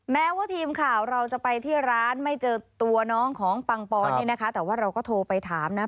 แม้ว่าทีมข่าวเราจะไปที่ร้านไม่เจอตัวน้องของปังปอนนี่นะคะแต่ว่าเราก็โทรไปถามนะ